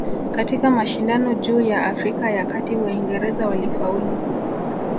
Katika mashindano juu ya Afrika ya Kati Waingereza walifaulu